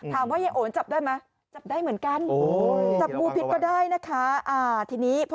ถามว่ายายโอ๋นจับได้ไหม